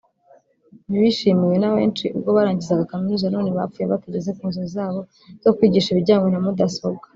bishimiwe na benshi ubwo barangizaga kaminuza none bapfuye batageze ku nzozi zabo zo kwigisha ibijyanye na mudasobwa